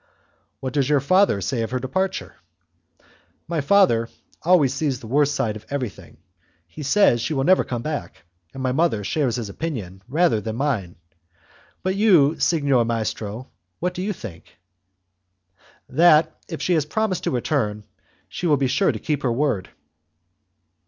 "What does your father say of her departure?" "My father always sees the worst side of everything; he says that she will never come back, and my mother shares his opinion rather than mine. But you, signor maestro, what do you think?" "That if she has promised to return, she will be sure to keep her word."